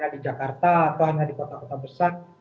di jakarta atau hanya di kota kota besar